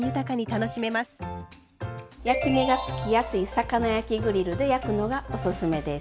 焼き目がつきやすい魚焼きグリルで焼くのがおすすめです！